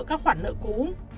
các khoản nợ cũ